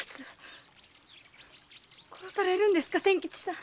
殺されるんですか千吉さん！